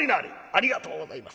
「ありがとうございます」。